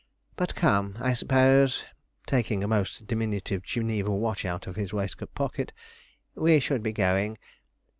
But come, I suppose,' he added, taking a most diminutive Geneva watch out of his waistcoat pocket, 'we should be going.